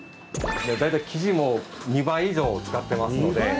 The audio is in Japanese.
大体生地も２倍以上使ってますので。